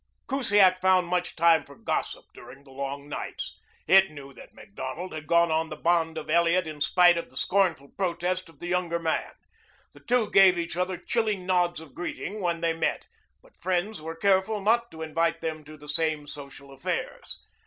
Kusiak found much time for gossip during the long nights. It knew that Macdonald had gone on the bond of Elliot in spite of the scornful protest of the younger man. The two gave each other chilly nods of greeting when they met, but friends were careful not to invite them to the same social affairs.